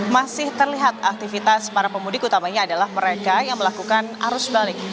masih terlihat aktivitas para pemudik utamanya adalah mereka yang melakukan arus balik